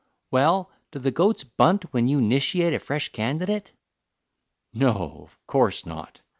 "Well, do the goats bunt when you nishiate a fresh candidate?" "No, of course not.